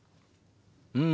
うん。